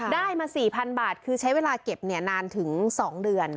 ได้มา๔๐๐๐บาทคือใช้เวลาเก็บนานถึง๒เดือน